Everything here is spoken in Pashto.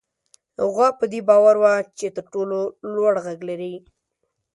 غوا په دې باور وه چې تر ټولو لوړ غږ لري.